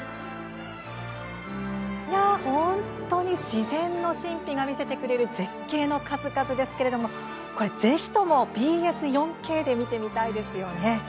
自然の神秘が見せてくれる絶景の数々ぜひともＢＳ４Ｋで見てみたいですよね。